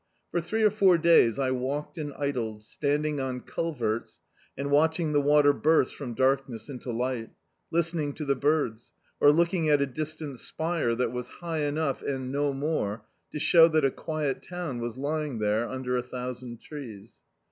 For three or four days I walked and idled, standing on culverts and watehing the water burst from darkness into li^t; listening to the birds; or looking at a distant spire that was hi^ enou^ and no more, to ^ow that a quiet town was lying there tinder a thousand trees.